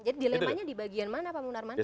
dilemanya di bagian mana pak munarman